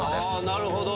なるほど。